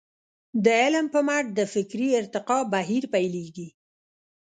د علم په مټ د فکري ارتقاء بهير پيلېږي.